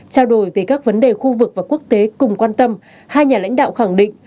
trao đổi về các vấn đề khu vực và quốc tế cùng quan tâm hai nhà lãnh đạo khẳng định